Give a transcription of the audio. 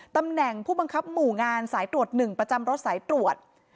ตำแหน่งผู้บังคับหมู่งานสายตรวจ๑ประจำรถสายตรวจ